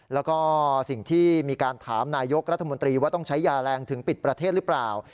แล้วก็สิ่งที่มีการถามนายกรัฐมนตรีว่าต้องใช้ยาแรงถึงปิดประเทศหรือเปล่า